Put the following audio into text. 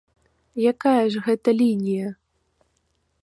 Якая ж гэта лінія?